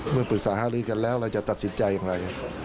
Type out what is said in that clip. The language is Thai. เมื่อปรึกษาหาลือกันแล้วเราจะตัดสินใจอย่างไร